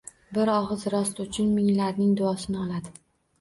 Bir og’iz Rosti uchun minglarning duosini oladi.